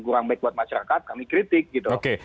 kurang baik buat masyarakat kami kritik gitu